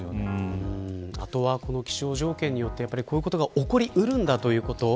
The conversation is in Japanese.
あとは気象条件でこういうことが起こり得るんだということ。